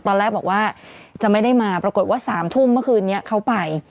ตอนแรกบอกว่าจะไม่ได้มาปรากฏว่า๓ทุ่มเมื่อคืนนี้เขาไป